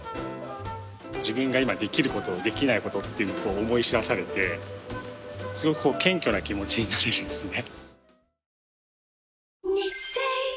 自分が今できる事できない事っていうのを思い知らされてすごく謙虚な気持ちになれるんですね。